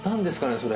それ。